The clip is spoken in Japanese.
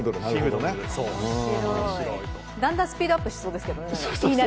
だんだんスピードアップしちゃいそうですけど。